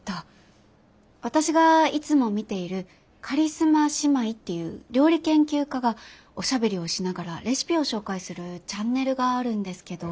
私がいつも見ているカリスマ姉妹っていう料理研究家がおしゃべりをしながらレシピを紹介するチャンネルがあるんですけど。